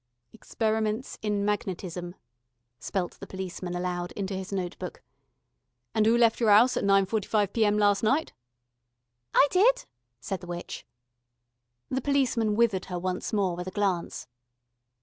"Experiments in Magnetism," spelt the policeman aloud into his notebook. "And 'oo left your 'ouse at nine forty five P.M. last night?" "I did," said the witch. The policeman withered her once more with a glance.